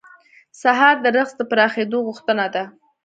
سهار د رزق د پراخېدو غوښتنه ده.